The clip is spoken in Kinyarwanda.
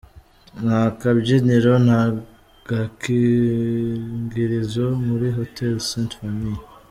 Nta kabyiniro, nta gakingirizo muri Hotel Ste Famille”.